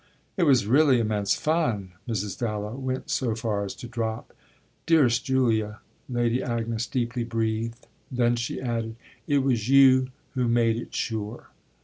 "It was really immense fun," Mrs. Dallow went so far as to drop. "Dearest Julia!" Lady Agnes deeply breathed. Then she added: "It was you who made it sure."